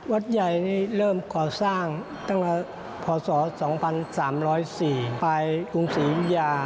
วัดใหญ่นี่เริ่มก่อสร้างตั้งแต่พศ๒๓๐๔ไปกรุงศรียุธยา